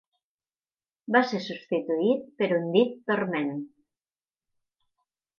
Va ser substituït per Undead Torment.